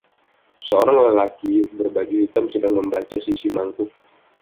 Seorang lelaki berbaju hitam sedang membaca sisi mangkuk